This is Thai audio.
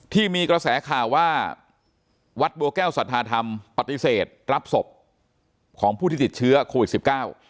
ที่มีกระแสข่าวว่าวัดบัวแก้วสัทธาธรรมปฏิเสธรับศพของผู้ที่ติดเชื้อโควิดสิบเก้า